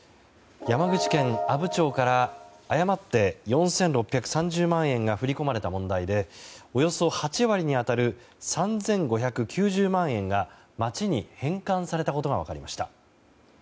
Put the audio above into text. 山口県阿武町から誤って４６３０万円が振り込まれた問題でおよそ８割に当たる３５９０万円が町に返還されたことが分かりました。